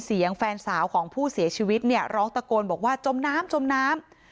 แฟนสาวของผู้เสียชีวิตเนี่ยร้องตะโกนบอกว่าจมน้ำจมน้ำ